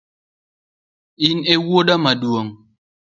In ewuoda maduong’?